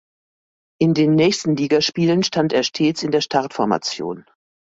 In den nächsten Ligaspielen stand er stets in der Startformation.